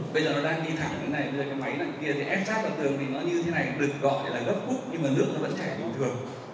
bây giờ nó đang đi thẳng như thế này như cái máy này kia thì ép sát vào tường thì nó như thế này được gọi là gấp khúc nhưng mà nước nó vẫn chảy như thường